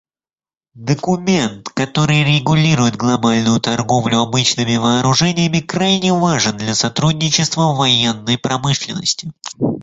Документ, который регулирует глобальную торговлю обычными вооружениями, крайне важен для сотрудничества в военной промышленности.